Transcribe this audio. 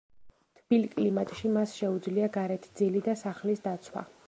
თბილ კლიმატში მას შეუძლია გარეთ ძილი და სახლის დაცვა.